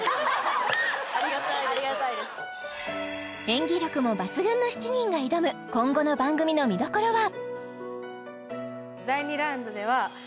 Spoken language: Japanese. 演技力も抜群の７人が挑む今後の番組の見どころは？